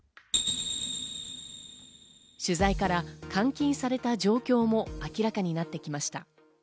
取材から監禁された状況も明らかになってきました。